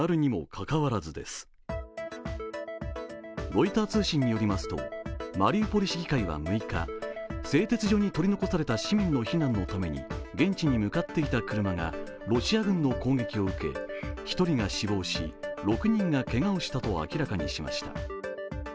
ロイター通信によりますとマリウポリ市議会は６日、製鉄所に取り残された市民の避難のために現地に向かっていた車がロシア軍の攻撃を受け１人が死亡し、６人がけがをしたと明らかにしました。